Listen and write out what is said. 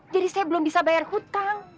jadi saya belum bisa bayar hutang